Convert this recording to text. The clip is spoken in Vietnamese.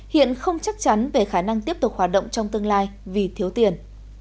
hiện không chắc chắn về khả năng tiếp tục hoạt động trong tương lai vì thiếu tiền